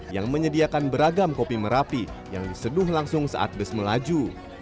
yang menyediakan beragam kopi merapi yang diseduh langsung saat bus melaju